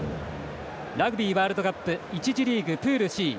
ラグビーワールドカップ１次リーグ、プールＣ。